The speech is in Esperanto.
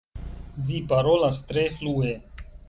Vi parolas tre flue.